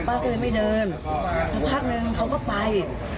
ก็เลยไม่เดินสักพักนึงเขาก็ไป